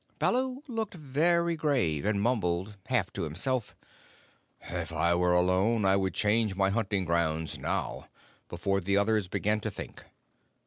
Baloo looked very grave, and mumbled half to himself: "If I were alone I would change my hunting grounds now, before the others began to think.